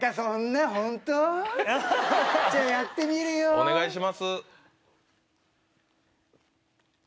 お願いします。